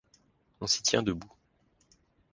On s’y tient debout.